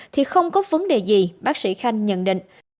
thì không có vấn đề gì bác sĩ khanh nhận định